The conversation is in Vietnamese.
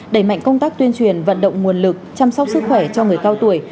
đẩy mạnh công tác tuyên truyền vận động nguồn lực chăm sóc sức khỏe cho người cao tuổi